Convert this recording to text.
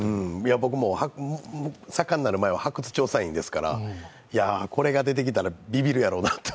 僕も作家になる前は発掘調査員ですからこれが出てきたら、びびるやろうなと。